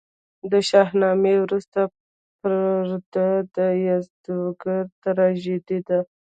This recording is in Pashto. د شاهنامې وروستۍ پرده د یزدګُرد تراژیدي ده.